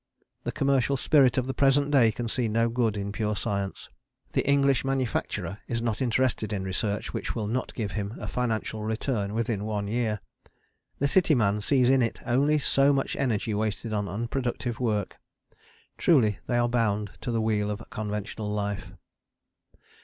The commercial spirit of the present day can see no good in pure science: the English manufacturer is not interested in research which will not give him a financial return within one year: the city man sees in it only so much energy wasted on unproductive work: truly they are bound to the wheel of conventional life.